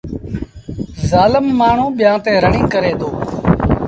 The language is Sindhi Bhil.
زآلم مآڻهوٚݩ ٻيآݩ تي رڙيٚن ڪريدو۔